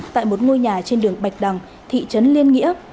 tại một ngôi nhà trên đường bạch đằng thị trấn liên nghĩa